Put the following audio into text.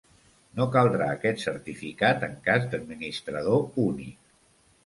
No caldrà aquest certificat en cas d'administrador únic.